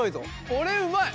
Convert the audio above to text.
これうまい！